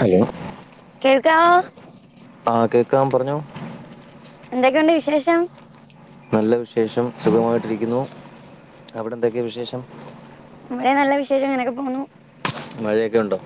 Hello കേൾക്കാവോ ആഹ് കേക്കാം പറഞ്ഞോ. എന്തൊക്കെയൊണ്ട് വിശേഷം? നല്ല വിശേഷം സുഖമായിട്ടിരിക്കുന്നു അവടെ എന്തൊക്കെയാ വിശേഷം? ഇവടേം നല്ല വിശേഷം അങ്ങനെയൊക്കെ പോന്നു. മഴയൊക്കെ ഒണ്ടോ?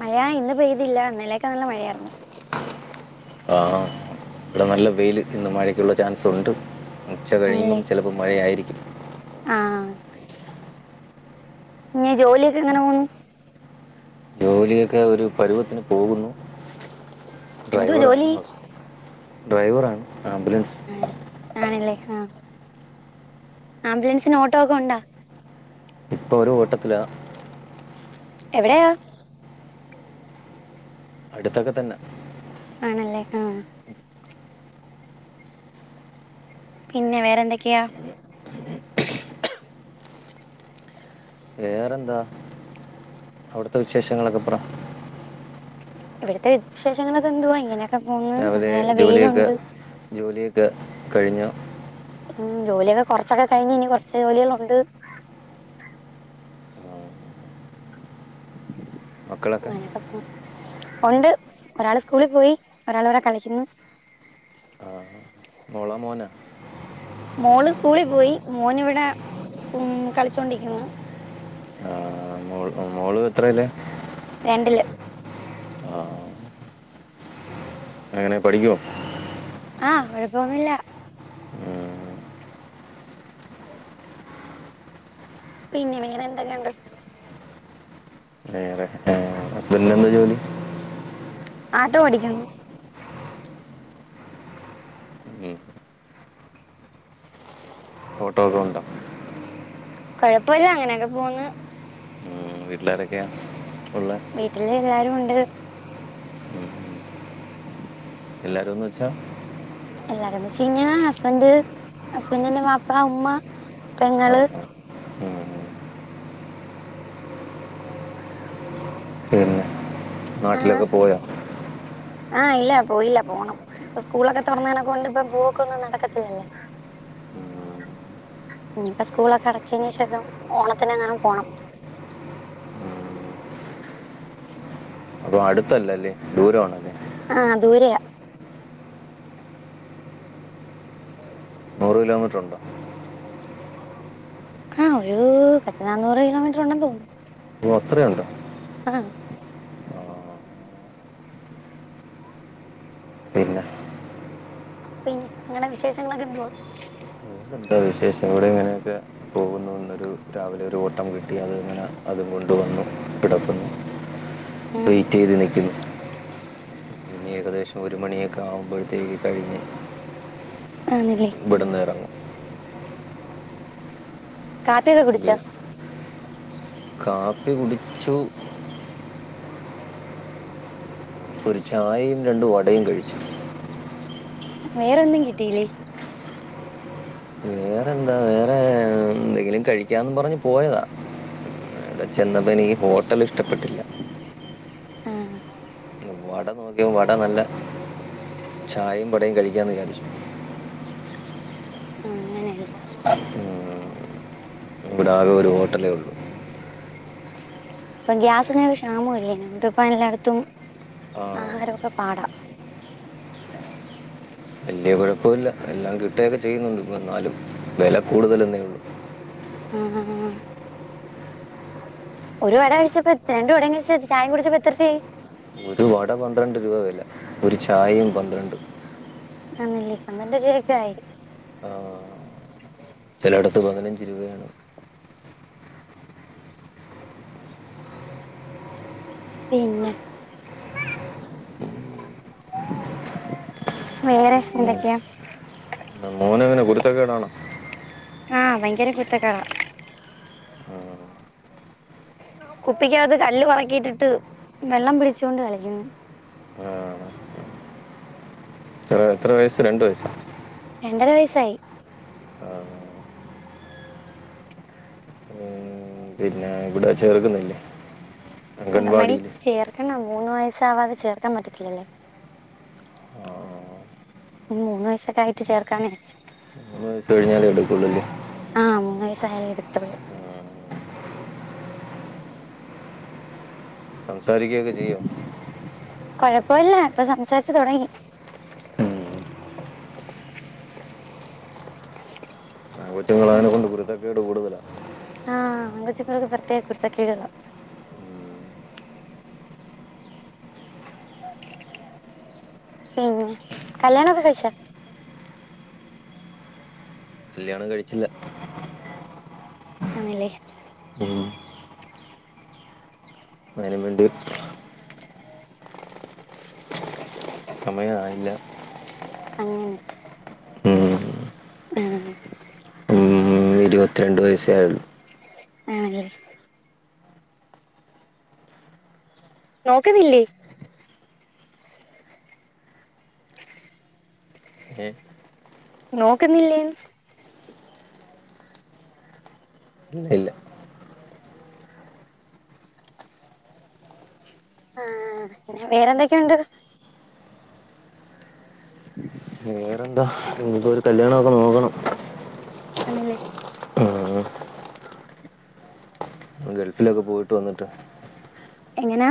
മഴാ ഇന്ന് പെയ്തില്ല ഇന്നലെക്കെ നല്ല മഴാരുന്നു. ആഹ് ഇവ്ടെ നല്ല വെയ്ൽ ഇന്ന് മഴയ്ക്കൊള്ള ചാൻസൊണ്ട് ഇന്ന് ആണല്ലേ ഉച്ചകഴിയുമ്പം ചെലപ്പം മഴയായിരിക്കും. ആഹ് ഞ്ഞി ജോലിയൊക്കെ എങ്ങനെ പോന്നു? ജോലിയൊക്കെ ഒരു പരുവത്തിന് പോകുന്നു. എന്തുവാ ജോലി ഡ്രൈവറാണ് ഡ്രൈവറാണ് ആംബുലൻസ് ആര് ആണ്ല്ലേ ഹാ ആംബുലൻസിന് ഓട്ടോ ഒക്കെ ഒണ്ടോ? ഇപ്പ ഒര് ഓട്ടത്തിലാ എവിടെയാ? അട്ത്തൊക്കെ തന്നാ ആണല്ലേ ആ പിന്നെ വേറെന്തൊക്കെയാ? വേറെന്താ അവ്ട്ത്തെ വിശേഷങ്ങളൊക്കെപ്പറ ഇവ്ട്ത്തെ വിശേഷങ്ങളൊക്കെ എന്തുവാ ഇങ്ങനെ രാവിലേ ജോലിയൊക്കെ ജോലിയൊക്കെ കഴിഞ്ഞോ? ഉം ജോലിയൊക്കെ കൊറച്ചൊക്കെ കയിഞ്ഞ് ഇനി കൊറച്ച് ജോലികളൊണ്ട്. [unintelligible] മക്കളൊക്കെ ഉം ഒണ്ട് ഒരാള് സ്കൂളി പോയി ഒരാള് ഇവ്ടെ കളിക്കുന്നു ആഹ് മോളാ മോനാ? മോള് സ്കൂളിപോയി മോന് ഇവ്ടെ ഉം കളിച്ചോണ്ടിക്ക്‌ന്നു. ആഹ് മോള് മോ മോള് എത്രലാ? രണ്ടില്. ആഹ് എങ്ങനെ പഠിക്കുവോ? ആഹ് കൊഴപ്പൊന്നുല്ല പിന്നെ വേറെ എന്തൊക്കെയൊണ്ട്? വേറെ [unintelligible] ഇന്നെന്താ ജോലി? ആട്ടോ ഓടിക്ക്‌ന്നു. ഉം ഓട്ടോ ഒക്കെ ഒണ്ടോ? കൊഴപ്പല്ല അങ്ങനെക്കെ പോവുന്ന് [unintelligible] ഉള്ള വീട്ടില് എല്ലാരും ഉണ്ട്. എല്ലാരും എന്ന് വെച്ചാ? എല്ലാരും എന്ന് വെച്ച് കഴിഞ്ഞ ഹസ്ബൻഡ് ഹസ്ബൻഡ്ന്റെ വാപ്പ ഉമ്മ ആ പെങ്ങള് ആ. ഉം. പിന്നെ നാട്ടിലൊക്കെ ആഹ പോയാ ആഹ് ഇല്ല പോയില്ല പോണം ഇപ്പം സ്കൂളൊക്കെ തൊറന്നേനെ കൊണ്ട് ഇപ്പം പോക്ക് ഒന്നും നടക്കത്തില്ലല്ലോ. ഉം. ഇനിയിപ്പം സ്കൂളൊക്കെ അടച്ചെന് ശേഷൊക്കെ ഓണത്തിന് എങ്ങാനും പോണം. അപ്പൊ അടുത്തല്ലല്ലേ ദൂരമാണല്ലേ? ആഹ് ദൂരെയ നൂറ് കിലോമീറ്ററുണ്ടോ? ആഹ് ഒരു പത്ത് നാന്നൂറ് കിലോമീറ്റർ ഉണ്ടെന്ന് തോന്നുന്നു. ഓഹ് അത്രയുണ്ടോ? ആഹ് ആ. പിന്നെ. പിന്നെ ഇങ്ങളെ വിശേഷങ്ങളോക്കെ എന്തുവാ? എന്താ വിശേഷങ്ങള് ഇങ്ങനെയൊക്കെ. പോകുന്നു ഇന്നൊരു രാവിലെ ഒരു ഓട്ടം കിട്ടി അത്ങ്ങനെ അതും കൊണ്ടുവന്നു കിടക്കുന്നു. ആഹ് വെയിറ്റ് ചെയ്ത് നിക്കുന്നു. ഏകദേശം ഒരു മണിയൊക്കെ ആകുമ്പോഴത്തേക്ക് കഴിഞ്ഞ് ആണല്ലേ ഉം ഇവിടുന്ന് ഇറങ്ങും [unintelligible] ഒക്കെ ഇത് കൂട്ച്ചോ? കാപ്പി കുടിച്ചു. ഒരു ചായേ രണ്ട് വടയും കഴിച്ചു. വേറെ ഒന്നും കിട്ടിയില്ലേ? വേറെ എന്താ വേറെ എന്തെങ്കിലും കഴിക്കാന്ന് പറഞ്ഞ് പോയതാ. [unintelligible] ചെന്നപ്പോ എനിക്ക് ഹോട്ടൽ ഇഷ്ടപ്പെട്ടില്ല. ആഹ് വട നോക്കിയപ്പോ വട നല്ല ചായയും വടയും കഴിക്കാന്ന് വിചാരിച്ചു. അങ്ങനെല്ലേ ഇവിടെ ആകെ ഒരു ഹോട്ടലെ ഒള്ളൂ. ഇപ്പം ഗ്യാസിന് ഒരു ക്ഷാമവും ഇല്ലേന്നു ഇപ്പോ എല്ലായിടത്തും ആ ആഹാരമൊക്കെ പാടാ. വല്യ കൊഴപ്പൊല്ല എല്ലാം കിട്ടുകയൊക്കെ ചെയ്യുന്നുണ്ട് എന്നാലും വെല കൂടുതലന്നേ ഉള്ളൂ. [unintelligible] ഒരു വെര വരച്ചപ്പോ [unintelligible] ചായിം കുട്ച്ചപ്പോ എത്രറുപ്യായി? ഒരു വട പന്ത്രണ്ട് രൂപ വെല ഒരു ചായയും പന്ത്രണ്ടും. [unintelligible] ആയി ആഹ് ചെലയിടത്ത് പതിനഞ്ച് രൂപയാണ്. പിന്നെ വേറെ എന്തക്കെയാ? [unintelligible] കുരുത്തക്കേടാണോ? ആഹ് ഭയങ്കര കുരുത്തകേട. ആഹ് കുപ്പിക്കകത്ത് കല്ല് പെറക്കിട്ടിട്ട് വെള്ളം പിടിച്ചൊണ്ട് കളിക്ക്ന്ന്. ആഹ് എത്ര വയസ്സ് രണ്ട് വയസ്സ? രണ്ടര വയസ്സായി. ആഹ് ഉം പിന്നെ ഇവടെ ചേർക്കുന്നില്ലേ? അംഗൻവാടി അംഗൻവാടിയിൽ ചേർക്കണം മൂന്ന് വയസ്സാവാതെ ചേർക്കാൻ പറ്റത്തില്ലല്ലേ. ഉം മൂന്ന് വയസ്സക്കെ ആയിട്ട് ചേർക്കാന്ന് വിചാരിച്ചു. മൂന്ന് കഴിഞ്ഞാലേ എടുക്കുള്ളൂല്ലേ ആഹ് മൂന്ന് വയസ്സായാലേ എടുത്തള്ളൂ. സംസാരിക്കയൊക്കെ ചെയ്യോ? കൊഴപ്പവില്ല ഇപ്പൊ സംസാര്ച്ചു തുടങ്ങി. [unintelligible] [unintelligible] കുരുത്തക്കേട് കൂടുതലാ ആഹ് ആൺ കൊച്ചുങ്ങൾക്ക് പ്രേത്യേക കുരുത്ത കേടുകളാ. പിന്നെ കല്യാണം ഒക്കെ കഴിച്ചോ? കല്യാണം കഴിച്ചില്ല. ആണ്ല്ലേ [unintelligible] സമയം ആയില്ല അങ്ങനെ ആഹ് ഇരുപത്തി രണ്ട് വയസ്സെ ആയൊള്ളു ആണ ല്ലെ നോക്കുന്നില്ലേ [inaudible] ഏ നോക്കുന്നി ല്ലേന്ന് ഇല്ല ല്ല ആഹ് പിന്നെ വേറെ എന്തൊക്കെ ഉണ്ട് [inaudible] എന്താ ഇനി ഇപ്പൊ ഒരു കല്യാണക്കെ നോക്കണം ആണ് ല്ലെ ആഹ് ഗൾഫിലൊക്കെ പോയിട്ട് വന്നിട്ട് എങ്ങനാ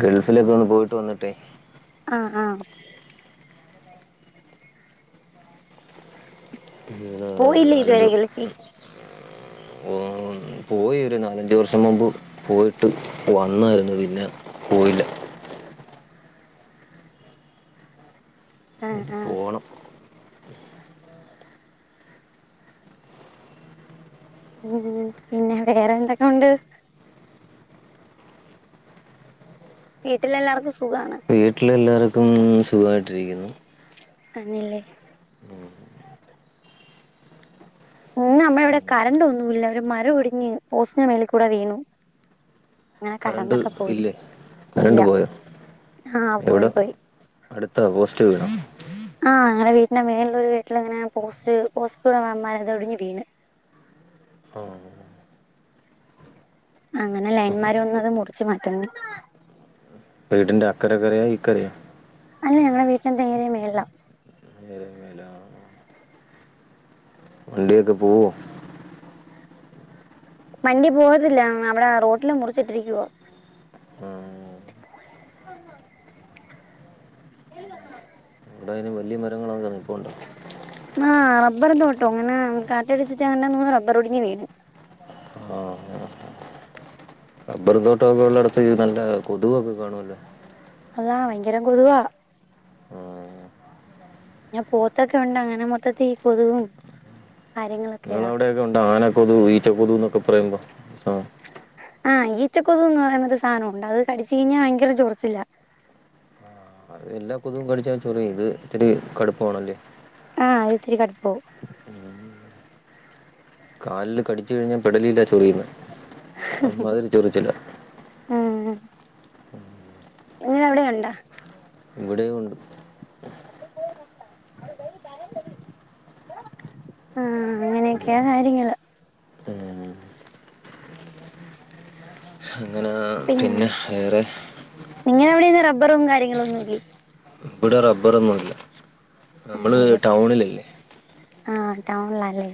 ഗൾഫിലൊക്കെ ഒന്ന് പോയിട്ട് വന്നിട്ടേ ആഹ് ആഹ് ഒരു പോയില്ലെ ഇതുവരെ ഗൾഫിൽ ഓഹ് പോയി ഒര് നാലഞ്ച് വർഷം മുമ്പ് പോയിട്ട് വന്നായിരുന്നു പിന്നെ പോയില്ല ആഹ് ഇനി ആഹ് പോണം ഉമ് പിന്നെ വേറെ എന്തൊക്കെ ഉണ്ട് വീട്ടിലെഎല്ലാർക്കും സുഖാണ് വീട്ടിലെല്ലാർക്കും സുഖായിട്ടിരിക്കുന്നു അങ്ങല്ലെ ഇന്ന് നമ്മളെ ഇവിടെ കരണ്ട് ഒന്നുല്ല ഒര് മരം ഇടിഞ്ഞ് പോസ്റ്റിന്റെ മേളി കൂടെ വീണു അങ്ങനെ കറണ്ട് കറണ്ടൊക്കെ പോയി ഇല്ലേ ഇല്ല കറണ്ട് പോയോ ആഹ് പോയി പോയി ആഹ് പോസ്റ്റ് വീണൊ ആഹ് ഞങ്ങളെ വീട്ടിന്റെ മേളില് ഒരു വീട്ടിലങ്ങനെ പോസ്റ്റ് പോസ്പിട നന്നായത് ഒടിഞ്ഞ് വീണ് ഒഹ് അങ്ങനെ ലൈൻ മരം ഒന്നുടെ മുറിച്ചു മാറ്റുന്നു വീട്ടിന്റെ അക്കരെ കരയൊ ഇക്കരയൊ അല്ല ഞങ്ങളടെ വീട്ടിന്റെ നേരെ മേളില [unintelligible] [inaudible] വണ്ടിയൊക്കെ പോവോ വണ്ടി പോകത്തില്ല അവിടെ റോട്ടില മുറിച്ചിട്ടിരിക്കുവ ആഹ് ഇവട അയിന് വല്ല്യ മരങ്ങൾ [unintelligible] പോണ് ണ്ടോ ആഹ് റബ്ബർ തോട്ടം അങ്ങനെ കാറ്റടിച്ചിട്ട് അങ്ങനെ മൂന്ന് റബ്ബർ ഒടിഞ്ഞ് വീണ് ആഹ് അങ്ങനെ റബ്ബർ തോട്ടം ഒക്കെ ഉള്ളടത്ത് നല്ല കൊതുവൊക്കെ കാണും അല്ലോ അതാ ഭയങ്കര കൊതുകാ ആഹ് പിന്നെ പോത്തൊക്കെ ഉണ്ട് അങ്ങനെ മൊത്തത്തിൽ ഈ കൊതുകും കാര്യങ്ങളൊക്കെയാ ആന കൊതുകും ഈച്ച കൊതു എന്നൊക്കെ പറയുമ്പോ ആഹ് ആഹ് ഈച്ച കൊതുക് എന്ന് പറയുന്ന ഒരു സാനം ഉണ്ട് അത് കടിച്ച് കഴിഞ്ഞാൽ ഭയങ്കര ചൊറിച്ചിലാ അത് എല്ലാം കൊതു ഇത് വേടിച്ച് വെച്ചോളീ ഇത് ഇത്തിരി കടുപ്പം ആണല്ലേ ആഹ് അത് ഇത്തിരി കടുപ്പാവും. കാലില് കടിച്ചു കഴിഞ്ഞാ പെടലീലാ ചൊറിയുന്നെ. അമ്മാതിരി ചൊറിച്ചിലാ. ഇങ്ങളെ അവിടെ ഒണ്ടാ ഇവിടെയും ഒണ്ട്. [unintelligible] ആഹ് അങ്ങനെയക്കെയാ കാര്യങ്ങള് [unintelligible] അങ്ങനാ പിന്ന് നിങ്ങളെ അവിടെയൊന്നും റബ്ബറും കാര്യങ്ങളും ഒന്നുംല്ലേ? ഇവിടെ റബ്ബറൊന്നൂല്ല. ആണല്ലേ ആഹ് ടൗൺലാഅല്ലേ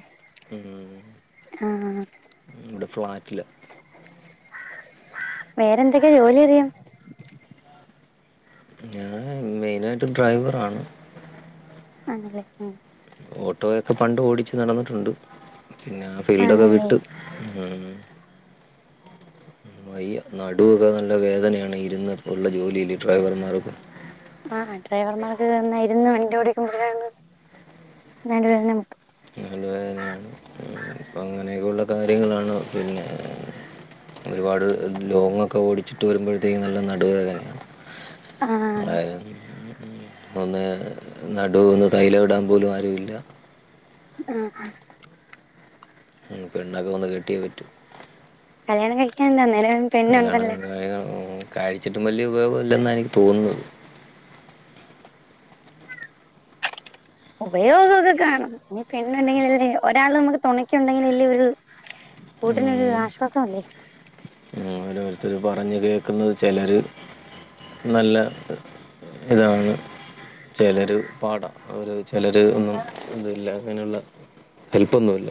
ഉം. ആഹ് റ്റില് വേറെ എന്തൊക്കെ ജോലി അറിയാം ഞാന് [unintelligible] ഡ്രൈവർ ആണ്. ആണല്ലേ ഉം ട്ടോയൊക്കെ പണ്ട് ഓടിച്ച് നടന്നിട്ടുണ്ട്. പിന്നെ ആ ഫീൽഡൊക്കെ ആണല്ലേ വിട്ട് ഉം വയ്യ നടുവൊക്കെ നല്ല വേദനയാണ് ഇരുന്ന് ഇപ്പോ ഉള്ള ജോലിയില് ഡ്രൈവർമാർക്ക് ആഹ് ഡ്രൈവർമാർക്ക് ഇരുന്ന് വണ്ടിഓടിക്കുമ്പോഴാണ് നടുവേദന [unintelligible] നടു വേദനയാണ് അങ്ങനെയൊക്കെയുള്ള കാര്യങ്ങളാണ് പിന്നെ ഒരുപാട് ലോ ങ്ങൊക്കെ ഓടിച്ചിട്ട് വരുമ്പഴത്തേക്കും നല്ല നടുവേദനയ ആ [unintelligible] [unintelligible] നടു ഒന്ന് തൈലം ഇടാൻ പോലും ആരുല്ല. ആഹ് പെണ്ണൊക്കെ ഒന്ന് കെട്ടിയേ പറ്റു. കല്യാണം കഴിക്കാൻ [unintelligible] കല്യാണം പെണ്ണുണ്ടല്ലാ കഴിച്ചിട്ടും വലിയ ഉപയോഗം ഇല്ലെന്ന എനിക്ക് തോന്നുന്നത്. ഉപയോഗൊക്കെ കാണും. നി പെണ്ണു ഉണ്ടെങ്കിലല്ലേ ഒരാള് നമുക്ക് തൊണക്കുണ്ടെങ്കിലല്ലേ ഒരു കൂട്ടിന് ഒരുരു ആശ്വാസം അല്ലേ. പറഞ്ഞു കേക്കുന്നത് ചിലര് നല്ല ഇതാണ് ചിലര് പാടം അവര് ചിലര് ഒന്നും ഇതില്ല അങ്ങനെയുള്ള ഹെൽപൊന്നൂല്ല.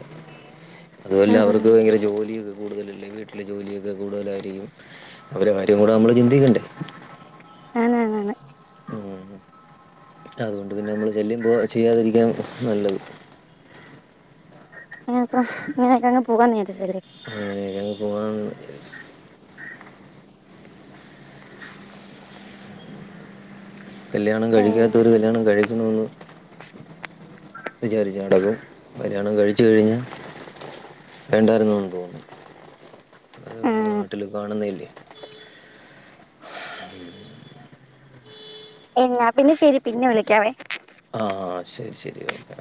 അതുവല്ല ആ അവർക്ക് ഭയങ്കര ജോലിയിത് കൂടുതലല്ലേ വീട്ടിലെ ജോലിയൊക്കെ കൂടുതലായിരിക്കും അവരകാര്യംകൂടെ നമ്മൾ ചിന്തിക്കണ്ടെ ആണാണാണ് ഉം അതുകൊണ്ട് പിന്നെ നമ്മള് ശല്യം പോ ചെയ്യാതിരിക്കാൻ നല്ലത്. അങ്ങനപ്പ ഇങ്ങനെയൊക്കെ അങ്ങ് പോകാനിരിച്ചല്ലേ. [unintelligible] കല്യാണം കഴിക്കാത്തവര് കല്യാണം കഴിക്കണോന്ന് വിചാരിച്ച് നടക്കും കല്യാണം കഴിച്ചു കഴിഞ്ഞാ വേണ്ടായിരുന്നെന്ന് തോന്നും. ആ നാട്ടില് കാണുന്നയല്ലേ എന്നാ പിന്നെ ശെരി പിന്നെ വിളിക്കാവേ. ആഹ് ശരി ശരി ഓക്കേ